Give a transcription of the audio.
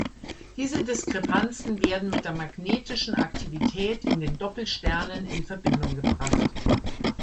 Diese Diskrepanzen werden mit der magnetischen Aktivität in den Doppelsternen in Verbindung gebracht.